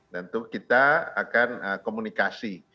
dan tuh kita akan komunikasi